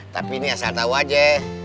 tapi ini asal tahu aja